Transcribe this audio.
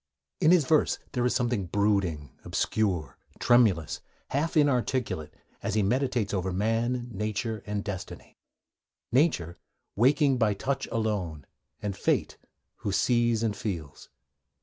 In his verse there is something brooding, obscure, tremulous, half inarticulate, as he meditates over man, nature, and destiny: Nature, 'waking by touch alone,' and Fate, who sees and feels.